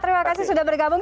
terima kasih sudah bergabung